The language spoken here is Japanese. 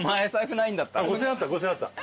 ５，０００円あった５，０００円あった。